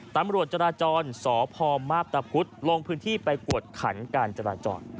ตำรวจจราจรสพมาพตะพุธลงพื้นที่ไปกวดขันการจราจร